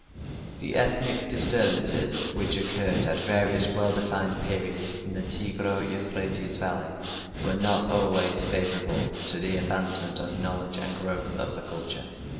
The ethnic disturbances which occurred at various well defined periods in the Tigro Euphrates valley were not always favourable to the advancement of knowledge and the growth of culture.